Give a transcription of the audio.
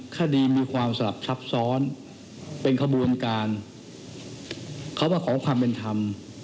คดีมีความสลับซับซ้อนเป็นขบวนการเขามาขอความเป็นธรรม